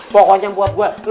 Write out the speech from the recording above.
pokoknya buat gue